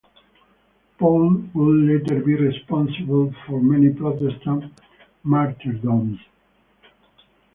Pole would later be responsible for many Protestant martyrdoms.